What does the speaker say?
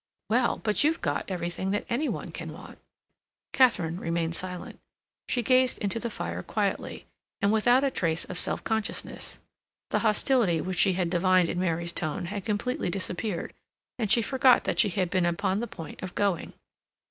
"Well, but you've got everything that any one can want." Katharine remained silent. She gazed into the fire quietly, and without a trace of self consciousness. The hostility which she had divined in Mary's tone had completely disappeared, and she forgot that she had been upon the point of going.